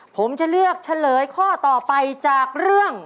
ผมจะเลือกเฉลยข้อต่อไปจากเรื่อง